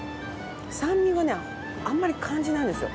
酸味がねあんまり感じないんですよ。